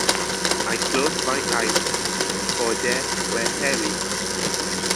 I closed my eyes, for they were heavy.